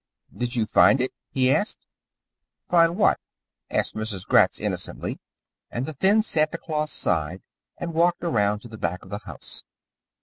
Did you find it?" he asked. "Find what?" asked Mrs. Gratz innocently, and the thin Santa Claus sighed and walked around to the back of the house.